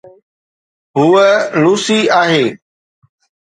هوءَ لوسي آهي